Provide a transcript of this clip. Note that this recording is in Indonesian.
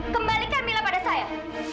kembalikan mila pada saya